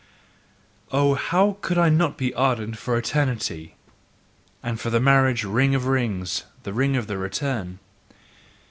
Oh, how could I not be ardent for Eternity, and for the marriage ring of rings the ring of the return?